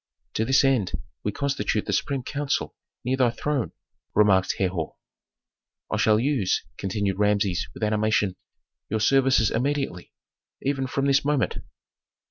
"To this end we constitute the supreme council near thy throne," remarked Herhor. "I shall use," continued Rameses with animation, "your services immediately, even from this moment."